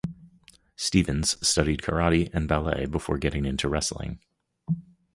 Stevens studied karate and ballet before getting into wrestling.